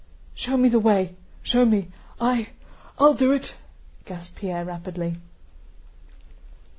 "Show me the way, show me, I... I'll do it," gasped Pierre rapidly.